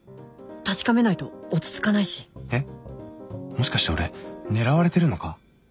もしかして俺狙われてるのか？